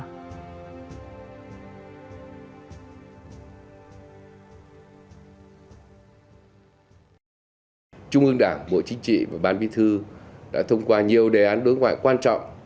ngoại trưởng trung ương đảng bộ chính trị và ban biên thư đã thông qua nhiều đề án đối ngoại quan trọng